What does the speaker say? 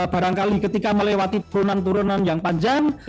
barangkali ketika melewati turunan turunan yang panjang